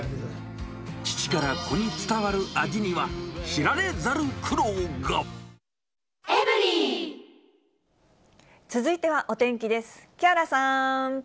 父から子に伝わる味には、続いてはお天気です。